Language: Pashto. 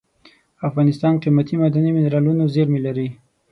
افغانستان قیمتي معدني منرالونو زیرمې لري.